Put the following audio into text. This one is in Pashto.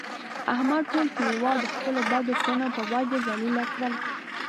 احمد ټول کلیوال د خپلو بدو کړنو په وجه ذلیله کړل.